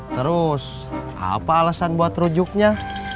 terus apa alasan buat rujuknya